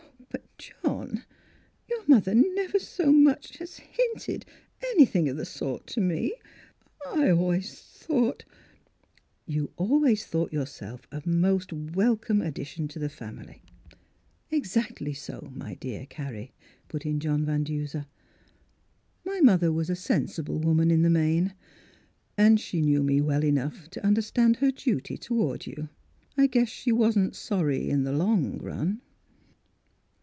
" But, John, your mother never so much as hinted anything of the sort to me. I always thought —"" You always thought yourself a most welcome addition to the family. Ex actly so, my dear Carrie," put in John Van Duser. " My mother was a sensible woman, in the main, and she knew me well enough to understand her duty to ward you. I guess she wasn't sorry in the long run."